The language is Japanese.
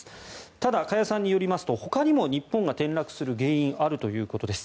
ただ加谷さんによりますとほかにも日本が転落する原因があるということです。